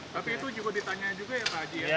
tapi itu juga ditanya juga ya pak haji ya